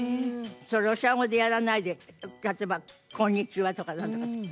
ロシア語でやらないで例えば「こんにちは」とかなんとかって。